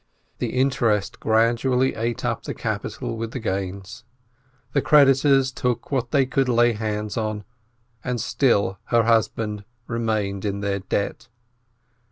The interest gradually ate up the capital with the gains. The creditors took what they could lay hands on, and still her husband remained in their debt.